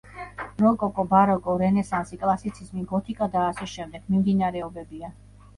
როკოკო, ბაროკო, რენესანსი, კლასიციზმი, გოთიკა და ა.შ, მიმდინარეობებია